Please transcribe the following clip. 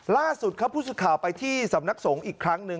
ล่าสุดครับผู้สื่อข่าวไปที่สำนักสงฆ์อีกครั้งหนึ่ง